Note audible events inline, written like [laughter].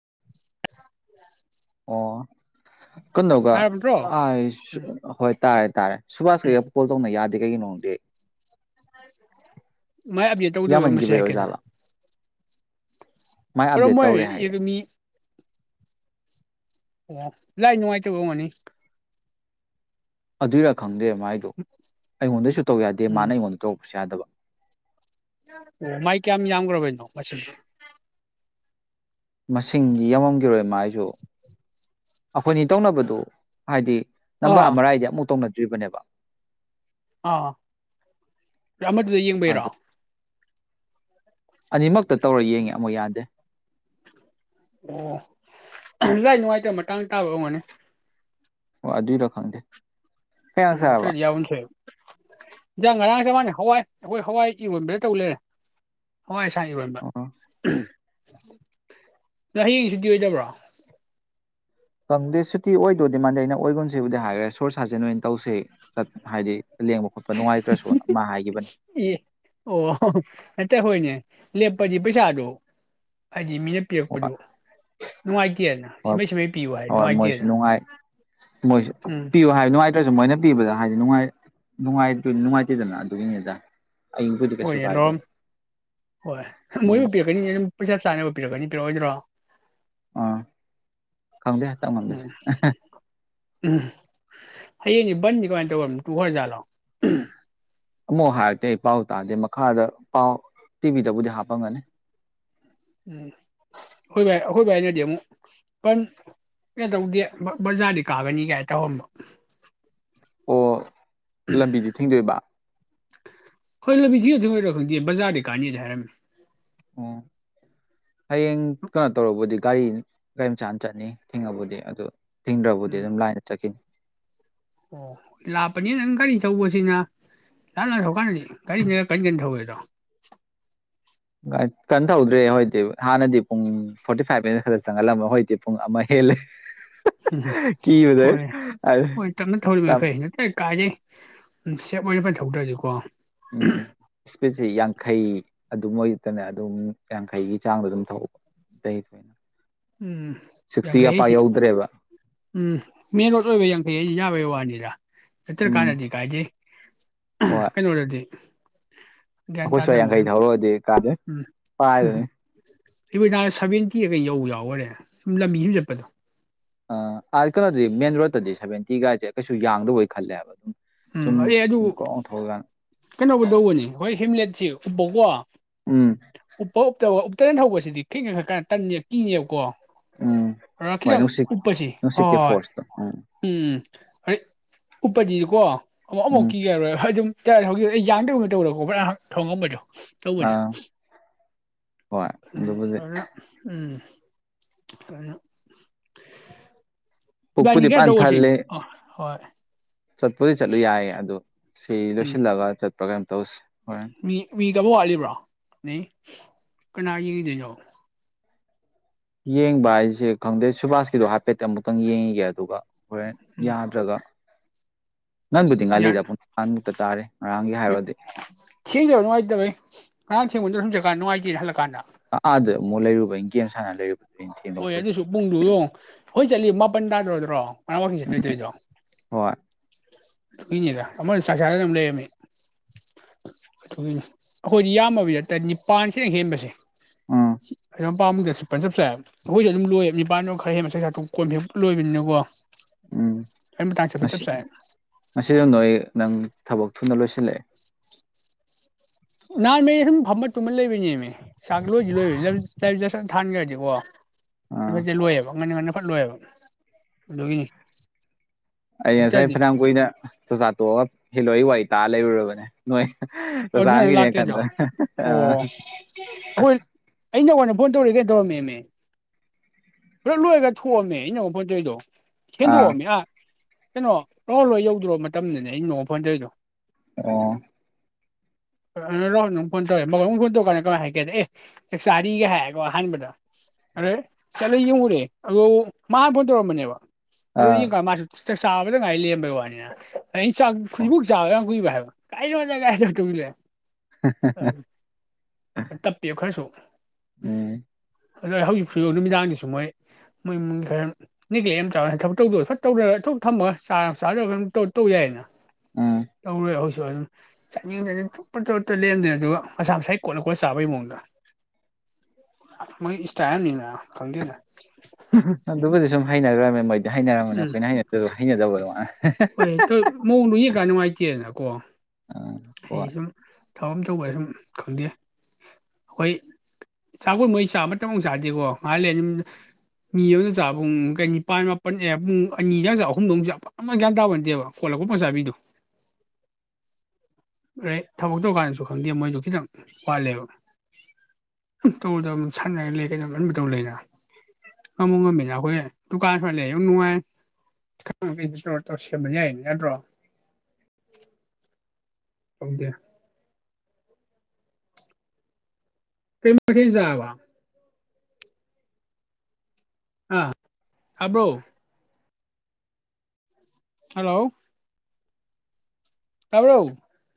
[inaudible] ꯑꯣ ꯀꯩꯅꯣꯒ ꯇꯥꯔꯕ ꯅꯠꯇ꯭ꯔꯣ ꯑꯥꯏ ꯁꯨꯛ ꯎꯝ ꯍꯣꯏ ꯇꯥꯔꯦ ꯇꯥꯔꯦ ꯁꯨꯕꯥꯁꯀ ꯑꯩꯒ ꯀꯣꯜ ꯇꯧꯅ ꯌꯥ [unintelligible] ꯃꯥꯏ [inaudible] ꯇꯧꯗꯕ ꯌꯥꯝꯃꯟꯈꯤꯕꯩ ꯑꯃꯁꯦ [inaudible] ꯀꯩꯅꯣ ꯑꯣꯏꯖꯥꯠꯂꯥ [inaudible] ꯃꯥꯏ [inaudible] ꯑꯣ ꯑꯞꯗꯦꯠ ꯇꯧꯔꯦ ꯍꯥꯏꯌꯦ ꯂꯥꯏ ꯅꯨꯡꯉꯥꯏꯇꯕ ꯑꯣꯏꯔꯝꯅꯤ ꯑꯗꯨꯏꯔꯥ ꯈꯪꯗꯦ ꯃꯥꯏꯗꯣ ꯑꯩꯉꯣꯟꯗꯩꯁꯨ ꯇꯧ ꯌꯥꯗꯦ ꯃꯥꯅ ꯎꯝ ꯑꯩꯉꯣꯟꯗ ꯇꯧꯔꯛꯄꯁꯨ ꯌꯥꯗꯕ ꯑꯣ ꯃꯥꯏ ꯀ ꯌꯥꯝ ꯌꯥꯝ꯭ꯔꯕꯩꯅꯣ ꯃꯁꯤꯡꯗꯤ ꯌꯥꯝꯎꯃꯝꯈꯤꯔꯣꯏ ꯃꯥꯏꯁꯨ ꯑꯩꯈꯣꯏꯅꯤ ꯇꯧꯅꯕꯗꯨ ꯍꯥꯏꯗꯤ ꯅꯝꯕꯔ ꯑꯥ ꯑꯃꯔꯥꯏꯗꯤ ꯑꯃꯨꯛ ꯇꯧꯅ ꯕꯅꯦꯕ ꯑ ꯑꯥꯃꯗꯨꯗ ꯌꯦꯉꯕꯩꯔꯣ ꯑꯗꯣ ꯑꯅꯤꯃꯛꯇ ꯇꯧꯔ ꯌꯦꯡꯉꯤ ꯑꯃꯇꯥ ꯌꯥꯗꯦ ꯑꯣ ꯂꯥꯏ ꯅꯨꯡꯉꯥꯏꯇꯕ ꯃꯇꯥꯡ ꯇꯥꯕ ꯑꯣꯏꯔꯝꯅꯤ ꯑꯣ ꯑꯗꯨꯏꯔꯣ ꯈꯪꯗꯦ ꯀꯌꯥ ꯎꯝ ꯑꯗꯨ ꯁꯥꯔꯕ ꯑꯣꯏꯗꯤ ꯌꯥꯎꯐꯝ ꯊꯣꯛꯏꯕꯥ ꯆꯞ ꯃꯥꯅꯩ ꯍꯋꯥꯏ ꯑꯩꯈꯣꯏ ꯍꯋꯥꯏ ꯏꯔꯣꯟꯕ ꯇꯧ ꯂꯩꯔꯦ ꯍꯋꯥꯏ [inaudible] ꯏꯔꯣꯝꯕꯥ ꯑꯣ ꯍꯌꯦꯡ ꯁꯨꯇꯤ ꯑꯣꯏꯗꯕ꯭ꯔꯣ ꯈꯪꯗꯦ ꯁꯨꯇꯤ ꯑꯣꯏꯗꯣꯏꯗꯤ ꯃꯥꯟꯗꯦ ꯑꯩꯅ ꯑꯣꯏꯒꯨꯟꯁꯤꯕꯨꯗꯤ ꯍꯥꯏꯈ꯭ꯔꯦ ꯁꯣꯔ [inaudible] ꯅ ꯇꯧꯁꯤꯠ ꯍꯥꯏꯗꯤ ꯂꯦꯡꯕ ꯈꯣꯠꯄ ꯅꯨꯡꯉꯥꯏꯇ꯭ꯔꯁꯨꯅ ꯃꯥ ꯍꯥꯏꯈꯤꯕꯅꯦ ꯏ ꯑꯣ ꯑꯠꯇ ꯍꯣꯏꯅꯦ ꯂꯦꯄꯗꯤ ꯄꯩꯁꯥꯗꯣ ꯍꯥꯏꯗꯤ ꯃꯤꯅ ꯑꯣ ꯄꯤꯔꯛꯄꯗꯨ ꯅꯨꯡꯉꯥꯏꯇꯦꯅ ꯍꯣꯏ ꯁꯃꯥꯏ ꯁꯨꯃꯥꯏ ꯄꯤꯌꯨ ꯍꯥꯏ ꯍꯣꯏ ꯃꯣꯏꯁꯨ ꯅꯨꯡꯉꯥꯏꯇꯦꯅ ꯅꯨꯡꯉꯥꯏ ꯃꯣꯏꯁꯨ ꯎꯝ ꯄꯤꯌꯨ [inaudible] ꯃꯣꯏꯅ ꯄꯤꯕꯗ ꯍꯥꯏꯗꯤ ꯅꯨꯡꯉꯥꯏ ꯅꯨꯡꯉꯥꯏꯇꯦꯗꯅ ꯑꯗꯨꯒꯤꯅꯤꯗ ꯑꯩꯕꯨꯗꯤ ꯍꯣꯏ ꯀꯩꯁꯨ ꯀꯥꯏꯗꯦ ꯌꯥꯂꯣꯝ ꯍꯣꯏ ꯎꯝ ꯃꯣꯏꯕꯨ ꯄꯤꯔꯛꯀꯅꯤ ꯄꯩꯁꯥ [inaudible] ꯄꯤꯔꯛꯀꯅꯤ ꯄꯤꯔꯛꯑꯣꯏꯗ꯭ꯔꯣ ꯑꯥ ꯈꯪꯗꯦ ꯍꯟꯇꯛ ꯉꯝꯗꯁꯦ ꯎꯝ ꯎꯝ ꯍꯌꯦꯡꯁ ꯕꯟꯗꯤ ꯀꯃꯥꯏꯅ ꯇꯧꯕ ꯇꯨ ꯈꯔ ꯖꯥꯠꯂꯣ ꯑꯃꯨꯛ ꯍꯥꯏꯔꯛꯇꯦ ꯑꯩ ꯄꯥꯎ ꯇꯥꯗꯦ ꯃꯈꯥꯗ ꯄꯥꯎ ꯇꯤꯚꯤꯗꯕꯨꯗꯤ ꯍꯥꯞꯄꯝꯒꯅꯤ ꯎꯝ ꯍꯣꯏ ꯚꯥꯏ ꯑꯩꯈꯣꯏ ꯚꯥꯏꯅꯗꯤ ꯑꯃꯨꯛ [inaudible] ꯇꯧꯗꯦ ꯕꯖꯥꯔꯗꯤ ꯀꯥꯒꯅꯤ ꯀꯥꯏ ꯇꯧꯍꯝꯕ ꯑꯣ ꯂꯝꯕꯤꯗꯤ ꯊꯦꯡꯗꯣꯏꯕ ꯍꯣꯏ ꯂꯝꯕꯤꯗꯤ [inaudible] ꯈꯪꯗꯦ ꯕꯖꯥꯔꯗꯩ ꯀꯥꯅꯤꯗ ꯍꯥꯏꯔꯝꯃꯤ ꯑꯣ ꯍꯌꯦꯡ ꯀꯩꯅꯣ ꯇꯧꯔꯕꯨꯗꯤ ꯒꯥꯔꯤ ꯒꯥꯔꯤ ꯃꯆꯥꯅ ꯆꯠꯅꯤ ꯊꯤꯡꯉꯕꯨꯗꯤ ꯑꯗꯨ ꯊꯤꯡꯗ꯭ꯔꯕꯨꯗꯤ ꯎꯝ ꯑꯗꯨꯝ ꯂꯥꯏꯅ ꯆꯠꯈꯤꯅꯤ ꯑꯣ ꯂꯄꯅꯤ ꯑꯪꯒꯥꯔꯤ ꯊꯧꯕꯁꯤꯅ ꯇꯞꯅ ꯊꯧꯀꯥꯟꯗꯗꯤ ꯒꯥꯔꯤꯅ ꯀꯟ ꯀꯟ ꯊꯧꯋꯦꯗꯣ ꯀꯟꯅ ꯇꯧꯗ꯭ꯔꯦ ꯍꯣꯏꯗꯤ ꯍꯥꯟꯅꯗꯤ ꯄꯨꯡ ꯐꯣꯔꯇꯤ ꯐꯥꯏꯚ ꯃꯤꯅꯤꯠ ꯈꯛꯇ ꯆꯪꯍꯜꯂꯝꯕ ꯍꯧꯖꯤꯛꯇꯤ ꯄꯨꯡ ꯑꯃ ꯍꯦꯜꯂꯦ ꯎꯝꯝ ꯀꯤꯕꯗꯩ ꯍꯣꯏ ꯍꯣꯏ ꯇꯞꯅ ꯊꯧꯔꯤꯃꯦꯅ ꯐꯩ ꯀꯥꯏꯗꯩ ꯁꯦꯞ ꯑꯣꯏꯅ ꯐꯅ ꯊꯧꯗ꯭ꯔꯗꯤꯀꯣ ꯎꯝ ꯎꯝ ꯏꯁꯄꯤꯠꯁꯤ ꯌꯥꯡꯈꯩ ꯑꯗꯨ ꯑꯌꯨꯛꯇꯅ ꯑꯗꯨꯝ ꯌꯥꯡꯈꯩꯒꯤ ꯆꯥꯡꯗꯣ ꯑꯗꯨꯝ ꯊꯧꯋꯦ ꯎꯝ ꯌꯥꯡꯈꯩ ꯑꯩꯁꯤ ꯎꯝ ꯃꯦꯟ ꯔꯣꯗ ꯑꯣꯏꯕꯩ ꯌꯥꯡꯈꯩ ꯑꯩꯁꯤ ꯌꯥꯕꯩ ꯋꯥꯅꯤꯗ ꯌꯥ ꯎꯝ ꯅꯠꯇ꯭ꯔꯀꯥꯟꯗꯗꯤ ꯀꯥꯏꯗꯩ ꯍꯣꯏ ꯀꯩꯅꯅꯣꯗꯤ [inaudible] ꯑꯩꯈꯣꯏ ꯁ꯭ꯋꯥꯏ ꯌꯥꯡꯈꯩ ꯊꯧꯔꯗꯤ ꯀꯥꯏꯗꯩ ꯄꯥꯏꯔꯅꯤ ꯫ꯅꯨꯃꯤꯗꯥꯡꯗ ꯁꯚꯦꯟꯇꯤꯀ ꯌꯧꯕ ꯌꯥꯎꯏ ꯔꯦ ꯁꯨꯝ ꯂꯝꯕꯤꯁꯨꯝ ꯆꯠꯄꯗꯣ ꯑ ꯀꯩꯅꯣꯗꯗꯤ ꯃꯦꯟ ꯔꯣꯗꯇꯗꯤ ꯁꯚꯦꯟꯇꯤ ꯒꯥꯥꯏꯁꯦ ꯀꯩꯁꯨ ꯌꯥꯡꯗꯕꯩ ꯈꯜꯂꯦꯕ ꯑꯗꯨꯝ ꯎꯝ ꯁꯨꯝ ꯑꯩ ꯑꯗꯨ ꯒ꯭ꯔꯣꯡ ꯊꯧꯔꯀꯥꯟ ꯀꯩꯅꯣꯕꯨ ꯇꯧꯕꯅꯤ ꯍꯣꯏ ꯍꯦꯝꯂꯦꯠ ꯁꯤ ꯎꯞꯄ ꯀꯣ ꯎꯝ ꯎꯞꯄ ꯎꯞꯇꯕꯒ ꯎꯝꯇꯅ ꯊꯧꯕꯁꯤꯗꯤ ꯈꯤꯇꯪ ꯀꯥꯟꯈꯠꯂꯛ ꯀꯥꯟ ꯇꯟꯗꯅ ꯀꯤꯅꯦꯕꯀꯣ ꯎꯝ ꯍꯣꯏ ꯅꯨꯡꯁꯤꯠ ꯎꯞꯄꯁꯦ ꯅꯨꯡꯁꯤꯠꯀꯤ ꯍꯣꯏ ꯐꯣꯔꯁꯇꯣ ꯎꯝ ꯑ ꯩ ꯎꯄꯗꯤ ꯀꯣ ꯑꯣ ꯑꯃꯨꯛ ꯎꯝ ꯀꯤꯔꯔꯣꯏ ꯑꯗꯨꯝ ꯇ ꯍꯧꯖꯤꯛ ꯑꯩ ꯌꯥꯡꯗꯕ ꯊꯧꯗꯣꯛꯇꯧꯕ꯭ꯔ ꯊꯧꯗꯣꯛꯄꯩꯗꯣ ꯇꯧꯕꯩꯅꯦ ꯑꯥ ꯍꯣꯏ ꯎꯝ ꯑꯗꯨꯕꯨꯗꯤ ꯑꯗꯨꯅ ꯎꯝ ꯀ [inaudible] ꯄꯨꯛꯄꯨꯗꯤ ꯏꯕꯥꯅꯤ ꯒꯥꯔꯤ ꯇꯧꯕꯁꯤ ꯑ ꯍꯣꯏ ꯆꯠꯄ ꯨꯗꯤ ꯆꯠꯂꯨ ꯌꯥꯏꯌꯦ ꯑꯗꯨ ꯁꯤ ꯎꯝ ꯂꯣꯏꯁꯤꯜꯂꯒ ꯆꯠ ꯄ꯭ꯔꯀꯩꯅꯣꯝꯒ ꯇꯣꯁꯤ ꯃꯤ ꯃꯤ ꯇꯕꯧ ꯋꯥꯠꯂꯤꯕ꯭ꯔꯣ ꯅꯪ ꯀꯅꯥ ꯌꯦꯡꯒꯤꯗꯣꯏꯅꯣ ꯌꯦꯡꯕ ꯍꯥꯏꯁꯦ ꯈꯪꯗꯦ ꯁꯨꯕꯥꯁꯀꯤꯗꯣ ꯍꯥꯏꯐꯦꯠ ꯑꯃꯨꯛꯇꯪ ꯌꯦꯡꯉꯤꯒꯦ ꯑꯗꯨꯒ ꯍꯣꯔꯦꯟ ꯎꯝ ꯌꯥꯗ꯭ꯔꯒ ꯉꯟꯕꯨꯗꯤ ꯌꯥ ꯉꯥꯜꯂꯤꯗ ꯄꯨꯡ [unintelligible] ꯃꯨꯛꯇ ꯇꯥꯔꯤ ꯉꯔꯥꯡꯒꯤ ꯍꯥꯏꯔꯨꯗꯤ ꯊꯦꯡꯗꯕ ꯅꯨꯡꯉꯥꯏꯇꯕꯩ [unintelligible] [unintelligible] ꯑꯥꯗ ꯑꯃꯨꯛ ꯂꯩꯔꯨꯕꯩ ꯒꯦꯝ ꯁꯥꯟꯅ ꯂꯩꯔꯨ ꯍꯣꯏ ꯑꯗꯨꯁꯨ ꯄꯨꯡꯗꯨ ꯌꯣꯡ ꯈꯣꯏ ꯆꯠꯂꯤ ꯃꯥꯄꯜ [unintelligible] [unintelligible] [unintelligible] ꯍꯣꯏ ꯑꯗꯨꯒꯤꯅꯤꯗ ꯑꯃꯅ ꯆꯥꯛ ꯆꯥꯗꯅ ꯑꯃ ꯂꯩꯔꯝꯃꯦ ꯑꯗꯨ ꯑꯩꯈꯣꯏꯗꯤ ꯌꯥꯝꯃꯕꯤꯗ ꯇꯔꯦꯠ ꯅꯤꯄꯥꯟ ꯈꯤꯇꯪ ꯍꯦꯟꯕꯁꯦ ꯎꯝ [unintelligible] [unintelligible] ꯑꯩꯈꯣꯏꯁꯨ ꯑꯗꯨ ꯂꯣꯏꯕ ꯅꯤꯄꯥꯟꯗꯣ ꯈꯔ [unintelligible] ꯀꯣꯟꯕ ꯍꯦꯛ ꯂꯣꯏꯕꯅꯤꯅꯀꯣ ꯎꯝ ꯑꯩ ꯃꯇꯥꯡ ꯆꯠꯄ ꯆꯞ ꯆꯥꯏ [unintelligible] ꯑꯩ ꯅꯪ ꯊꯕꯛ ꯊꯨꯅ ꯂꯣꯏꯁꯤꯜꯂꯛꯑꯦ ꯅꯍꯥꯟꯃꯩ ꯁꯨꯝ ꯐꯝꯕ ꯇꯨꯝꯃ ꯂꯩꯕꯅꯦꯃꯤ ꯆꯥꯛ ꯂꯣꯏꯗꯤ ꯂꯣꯏꯕ [unintelligible] ꯊꯥꯟꯈ꯭ꯔꯗꯤꯀꯣ ꯑꯥ ꯂꯣꯏꯌꯦꯕ ꯉꯟꯅ ꯉꯟꯅ ꯐꯠꯂꯣꯏꯕ ꯑꯗꯨꯒꯤꯅꯤ ꯑꯩ ꯉꯁꯥꯏ ꯅꯠꯇ꯭ꯔꯗꯤ ꯐꯅꯌꯥꯝ ꯀꯨꯏꯅ ꯆꯥꯛꯆꯥꯥ ꯇꯣꯛꯑꯒ ꯍꯦꯂꯣꯏꯒꯤ ꯋꯥꯔꯤ ꯇꯥ ꯂꯩꯕꯨꯔꯕꯅꯤ ꯅꯣꯏ ꯑꯣ ꯅꯣꯏ ꯂꯥꯛꯇꯣꯏꯗꯣ ꯑꯣ ꯑꯩꯈꯣꯏ ꯑꯩ ꯅꯉꯣꯟꯗ [unintelligible] ꯐꯣꯟ ꯇꯧꯔꯤ ꯀꯩꯗꯧꯔꯝꯃꯦꯃꯦ ꯄꯨꯂꯞ ꯂꯣꯏꯔꯒ ꯊꯣꯛꯑꯝꯃꯦ ꯑꯩꯅ ꯑꯃꯨꯛ ꯐꯣꯟ ꯇꯧꯔꯤꯗꯣ ꯍꯦꯟꯗꯣꯛ ꯑꯃꯤ ꯑꯥ ꯀꯩꯅꯣ [unintelligible] ꯌꯧꯗꯣꯔ ꯃꯇꯝꯗꯅꯤ [unintelligible] ꯐꯣꯟ ꯇꯧꯔꯤꯗꯣ ꯑꯣ [unintelligible] ꯐꯣꯟ ꯇꯧꯔꯛꯑꯦ ꯃꯉꯣꯟꯗꯥ ꯑꯃꯨꯛ ꯐꯣꯟ ꯇꯧꯔꯀꯥꯟꯗ ꯀꯃꯥꯏꯅ ꯍꯥꯏꯒꯦ ꯑꯦ ꯆꯥꯔꯤꯒ ꯍꯥꯏꯀꯣ ꯑꯍꯥꯟꯕꯗ ꯑꯗ ꯆꯠꯂ ꯌꯦꯡꯉꯨꯔꯦ ꯑꯗꯣꯒꯥꯕꯨ ꯃꯥ ꯐꯣꯟ ꯇꯧꯔꯝꯕꯅꯦꯕ ꯑꯥ [unintelligible] ꯃꯥꯁꯨ ꯆꯥꯛ ꯆꯕꯗ ꯉꯥꯏ ꯂꯩꯔꯝꯕꯩ ꯋꯥꯅꯤꯅ ꯑꯩ ꯆꯥꯛ ꯑꯣ [unintelligible] ꯌꯥꯝ ꯀꯨꯏꯕ ꯍꯥꯏꯕ [unintelligible] [unintelligible] [unintelligible] ꯇꯞꯄꯦꯕ ꯎꯝ ꯑꯗꯣ ꯑꯩ ꯍꯧꯖꯤꯛ ꯐ ꯅꯨꯃꯤꯗꯥꯡꯗꯨꯁꯨ ꯃꯣꯏ ꯃꯣꯏ ꯃꯤ ꯈꯔ ꯅꯦꯒ꯭ꯂꯦꯛ ꯑꯃ ꯆꯥꯎꯔ ꯊꯕꯛ ꯇꯧꯗꯣꯏꯔ ꯐꯠ ꯇꯧꯗꯔꯣꯛ ꯊꯝꯃꯒ ꯆ ꯆꯥꯔꯧꯔ ꯇꯧ ꯌꯥꯏꯌꯦꯅ ꯎꯝ [unintelligible] [unintelligible] [unintelligible] [unintelligible] ꯑꯗꯨꯒ ꯃꯁꯥ ꯃꯁꯥ ꯀꯣꯠꯅ ꯀꯣꯠ ꯆꯥꯕꯩ ꯃꯑꯣꯡꯗ ꯃꯣꯏ ꯏꯁꯇꯥꯏꯜ ꯑꯃꯅꯤꯅꯤꯅ ꯈꯪꯗꯦꯗ ꯑꯗꯨꯕꯨꯗꯤ ꯁꯨꯝ ꯍꯩꯅꯒꯔ꯭ꯃꯤꯅꯥ ꯃꯣꯏ ꯍꯩꯅꯔꯝꯃꯅꯤ ꯎꯝ ꯑꯩꯈꯣꯏꯅ ꯍꯩꯅꯗꯔ꯭ꯁꯨ ꯍꯩꯅꯗꯕꯗꯣ ꯑ ꯍꯣꯏ ꯃꯑꯣꯡꯗ ꯌꯦꯡꯀ ꯅꯨꯡꯉꯥꯏꯇꯦꯗꯅꯀꯣ ꯑ ꯍꯣꯏ ꯑꯩꯁꯨꯨꯝ ꯊꯕꯛ ꯑꯃ ꯇꯧꯕ ꯁꯨꯝ ꯈꯪꯗꯦ ꯑꯩꯈꯣꯏ ꯆꯥꯛꯀꯣꯏ ꯃꯩ ꯆꯥꯕꯃꯨꯛ ꯆꯥꯗꯦꯀꯣ ꯉꯍꯥꯟ ꯂꯩ ꯌ ꯃꯤ ꯑꯃꯗ ꯆꯥ ꯄꯨꯡ ꯀꯩ ꯅꯤꯄꯥꯥꯟ ꯃꯥꯄꯜ ꯄꯨꯡ ꯑꯅꯤꯒ ꯆ ꯑꯍꯨꯝꯗꯧꯨꯛ ꯆ ꯑꯃ ꯒ꯭ꯌꯥꯟ ꯇꯥꯕ ꯅꯠꯇꯦꯕ ꯀꯣꯠꯂꯛꯄ ꯃꯆꯥꯕꯤꯗꯣ ꯊꯕꯛ ꯇꯧꯀꯥꯟꯗꯁꯨ ꯈꯪꯗꯦ ꯃꯣꯏꯁꯨ ꯈꯤꯇꯪ ꯋꯥꯠꯂꯦꯕ ꯇꯧꯗꯕ ꯑꯗꯨ ꯁꯥꯟꯅꯔ ꯂꯩ ꯀꯩꯝ ꯑꯟꯕ ꯇꯧ ꯂꯩꯅ ꯉꯝꯃ ꯉꯝꯃꯤꯅ ꯑꯩꯈꯣꯏ ꯗꯨꯀꯥꯟꯁꯨꯋꯥ ꯂꯩ ꯌꯥꯝ ꯅꯨꯡꯉꯥꯏ ꯧ ꯁꯦꯝꯕ ꯌꯥꯏꯌꯦ ꯌꯥꯗ꯭ꯔꯣ ꯇꯥꯎꯗꯦ ꯀꯩꯃꯖꯕ ꯑꯥ ꯍꯥꯕ꯭ꯔꯣ ꯍꯜꯂꯣ ꯇꯕ꯭ꯔꯎ